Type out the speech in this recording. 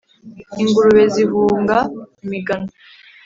ingurube zihunga imigano